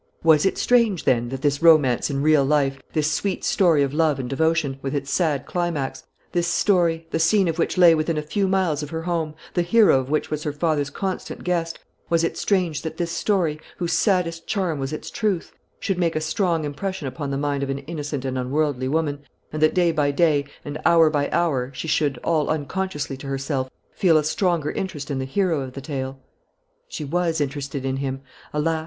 Was it strange, then, that this romance in real life this sweet story of love and devotion, with its sad climax, this story, the scene of which lay within a few miles of her home, the hero of which was her father's constant guest, was it strange that this story, whose saddest charm was its truth, should make a strong impression upon the mind of an innocent and unworldly woman, and that day by day and hour by hour she should, all unconsciously to herself, feel a stronger interest in the hero of the tale? She was interested in him. Alas!